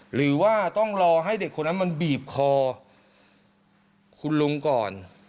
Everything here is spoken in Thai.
หรือว่าต้องรอให้เด็กคนนั้นมันบีบคอคุณลุงก่อน